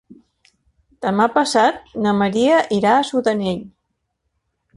Demà passat na Maria irà a Sudanell.